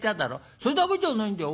それだけじゃないんだよ。